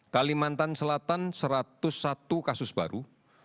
kalimantan selatan satu ratus satu kasus baru